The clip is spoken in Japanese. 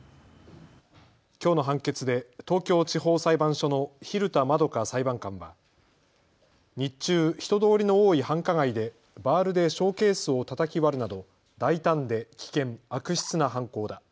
きょうの判決で東京地方裁判所の蛭田円香裁判官は日中、人通りの多い繁華街でバールでショーケースをたたき割るなど大胆で危険、悪質な犯行だ。